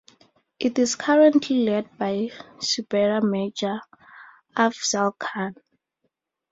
It is currently led by Subedar Major Afzal Khan.